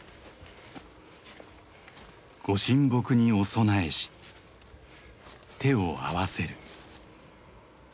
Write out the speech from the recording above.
ご神木にお供えし手を合わせる。